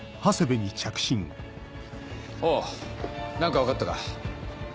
おぉ何か分かったか？